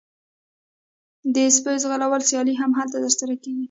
د سپیو ځغلولو سیالۍ هم هلته ترسره کیږي